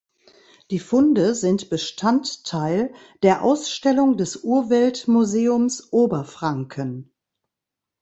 Die Funde sind Bestandteil der Ausstellung des Urwelt-Museums Oberfranken.